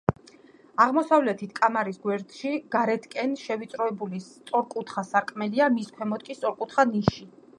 აღმოსავლეთით, კამარის გვერდში გარეთკენ შევიწროებული სწორკუთხა სარკმელია, მის ქვემოთ კი სწორკუთხა ნიში.